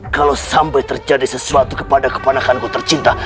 kalau sampai terjadi sesuatu kepada kepanakanku tercinta